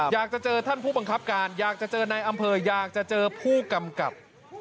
อยากจะเจอท่านผู้บังคับการอยากจะเจอในอำเภออยากจะเจอผู้กำกับ